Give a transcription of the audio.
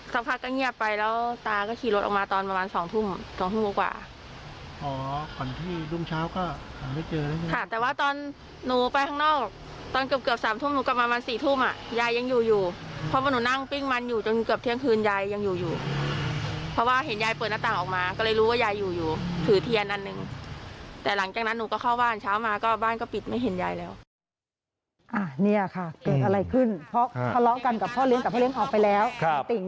สักพักก็เงียบไปแล้วตาก็ขี่รถออกมาตอนประมาณสองทุ่มสองทุ่มกว่าอ๋อก่อนที่ลุงเช้าก็ไม่เจอแล้วค่ะแต่ว่าตอนหนูไปข้างนอกตอนเกือบเกือบสามทุ่มหนูกลับมาประมาณสี่ทุ่มอ่ะยายยังอยู่อยู่เพราะว่าหนูนั่งปิ้งมันอยู่จนเกือบเที่ยงคืนยายยังอยู่อยู่เพราะว่าเห็นยายเปิดหน้าต่างออกมาก็เลยรู้ว่ายายอยู่อยู่